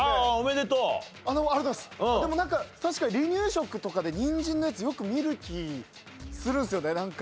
でも確かに離乳食とかでにんじんのやつよく見る気するんですよねなんか。